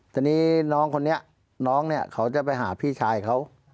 ทีนี้น้องคนนี้น้องเนี่ยเขาจะไปหาพี่ชายเขา